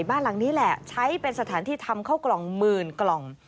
บ้านหลังนี้แหละใช้เป็นสถานที่ทำเข้ากล่องหมื่นกล่อง